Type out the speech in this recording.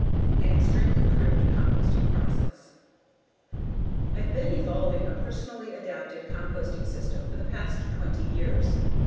An Extremely Crude Composting Process I've been evolving a personally adapted composting system for the past twenty years.